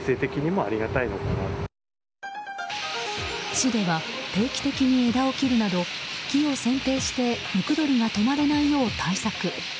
市では、定期的に枝を切るなど木を剪定してムクドリがとまれないように対策。